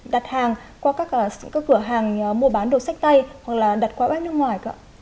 đặt hàng qua các cửa hàng mua bán đồ sách tay hoặc là đặt qua bếp nước ngoài cơ